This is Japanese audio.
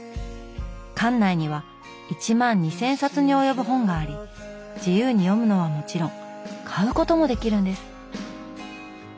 館内には１万２，０００冊に及ぶ本があり自由に読むのはもちろん買うこともできるんです。